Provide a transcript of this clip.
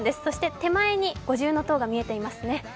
そして手前に五重塔が見えていますね。